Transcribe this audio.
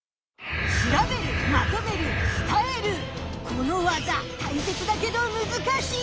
この技たいせつだけどむずかしい！